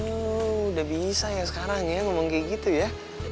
udah bisa ya sekarang ya ngomong kayak gitu ya